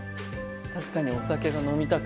確かにお酒が飲みたくなる。